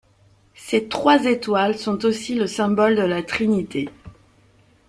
Ces trois étoiles sont aussi le symbole de la Trinité.